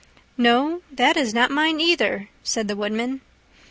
"No, that is not mine either," said the Woodman.